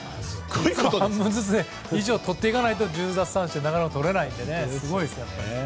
半分以上とっていかないと１０奪三振はなかなかとれないので、すごいですね。